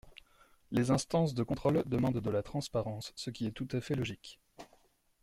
Les instances de contrôle demandent de la transparence, ce qui est tout à fait logique.